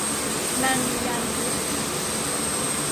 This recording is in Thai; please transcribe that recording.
นางมีญาณทิพย์